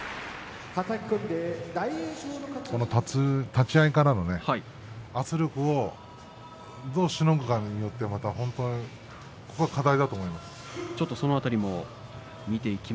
立ち合いからの圧力をどうしのぐかが課題だと思いますね